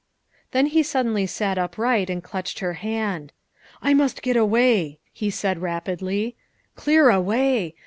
Then he suddenly sat upright and clutched her hand. " I must get away," he said rapidly, " clear away.